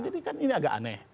jadi kan ini agak aneh